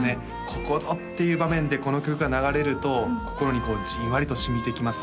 ここぞっていう場面でこの曲が流れると心にこうじんわりとしみてきます